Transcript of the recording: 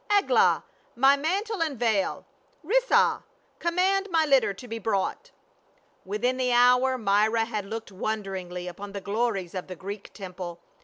" Eglah, my mantle and veil ; Rissah, com mand my litter to be brought." Within the hour Myra had looked wonderingly upon the glories of the Greek temple.